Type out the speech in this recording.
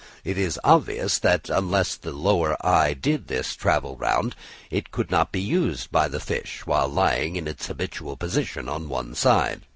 It is obvious that unless the lower eye did thus travel round, it could not be used by the fish while lying in its habitual position on one side.